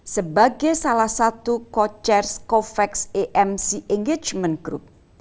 sebagai salah satu co chairs covax amc engagement group